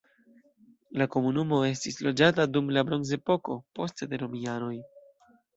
La komunumo estis loĝata dum la bronzepoko, poste de romianoj.